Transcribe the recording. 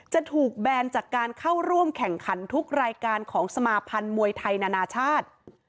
จะถูกแบนจากการเข้าร่วมแข่งขันทุกรายการของสมาพันธ์มวยไทยนานาชาติ